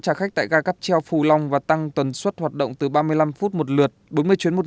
trả khách tại ga cắp treo phù long và tăng tuần suất hoạt động từ ba mươi năm phút một lượt bốn mươi chuyến một